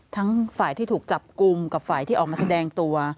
ทั้งฝ่ายที่ถูกจับกลุ่มกับฝ่ายที่ออกมาแสดงตัว